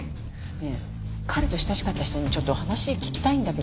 ねえ彼と親しかった人にちょっと話聞きたいんだけど。